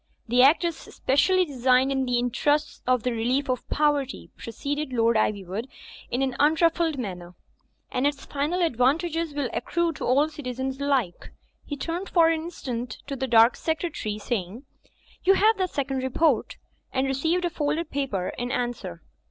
"The act is specially designed in the interests of the relief of poverty," proceeded Lord Ivyivood, in an unruffled manner, "and its final advantages will accrue to all citizens alike." He turned for an instant to the dark secretary, saying, "You have that second re port?" and received a folded paper in answer.